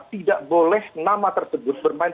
tidak boleh nama tersebut bermain